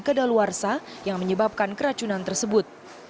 kadal warsa yang menyebabkan keracunan tersebut